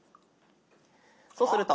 そうすると。